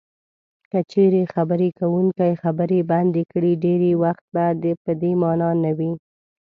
که چېرې خبرې کوونکی خبرې بندې کړي ډېری وخت په دې مانا نه وي.